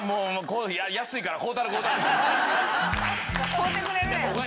買うてくれるやん。